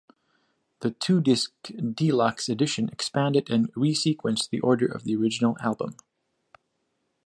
The two-disc deluxe edition expanded and resequenced the order of the original album.